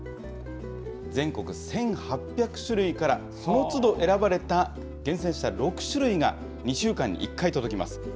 全国１８００種類から、そのつど選ばれた、厳選した６種類が、２週間に１回届きます。